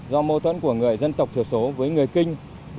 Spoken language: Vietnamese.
do mâu thuẫn của người dân tộc thiểu số với người kinh